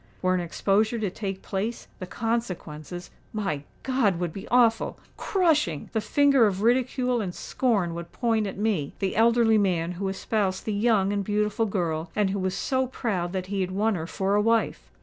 Were an exposure to take place, the consequences—my God! would be awful—crushing! The finger of ridicule and scorn would point at me—the elderly man who espoused the young and beautiful girl, and who was so proud that he had won her for a wife!